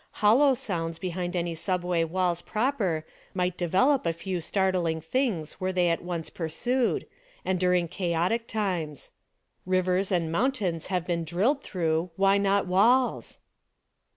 Hollow sounds behind any subway walls proper might develop a few startling things, were they at once pursued, and during chaotic times. Rivers and mountains have been drilled through — why not walls?